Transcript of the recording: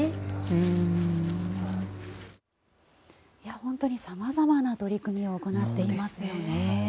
本当に様々な取り組みを行っていますよね。